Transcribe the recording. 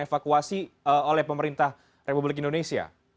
evakuasi oleh pemerintah republik indonesia